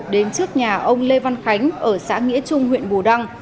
đến trước nhà ông lê văn khánh ở xã nghĩa trung huyện bù đăng